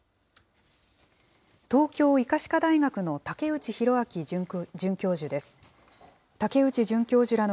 東京医科歯科大学の武内寛明准教授です。